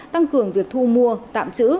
tăng cường việc thu mua tạm trữ